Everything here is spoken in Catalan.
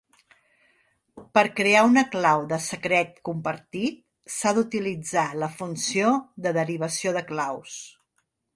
Per crear una clau de secret compartit, s'ha d'utilitzar la funció de derivació de claus.